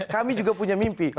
kami juga punya mimpi